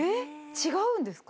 違うんですか？